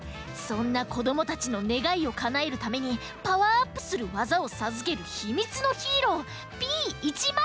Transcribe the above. そんなこどもたちのねがいをかなえるためにパワーアップするわざをさずけるひみつのヒーローＰ１０３！